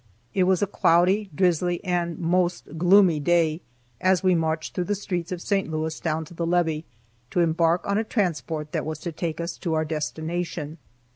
It was a cloudy, drizzly, and most gloomy day, as we marched through the streets of St. Louis down to the levee, to embark on a transport that was to take us to our destination.